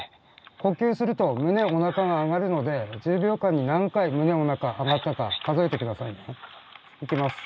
呼吸すると胸おなかが上がるので１０秒間に何回胸おなか上がったか数えて下さいね。いきます。